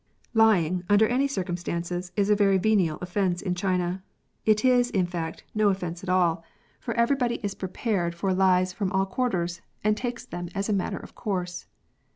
'' Lying, under any circumstances, is a very venial offence in China ; it is, in fact, no offence at all, for £26 LYING. everybody is prepared for lies from all quarters, and takes them as a matter of course.